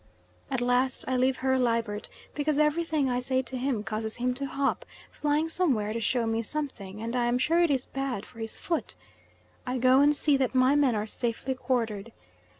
At last I leave Herr Liebert, because everything I say to him causes him to hop, flying somewhere to show me something, and I am sure it is bad for his foot. I go and see that my men are safely quartered.